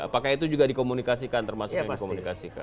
apakah itu juga dikomunikasikan termasuk yang dikomunikasikan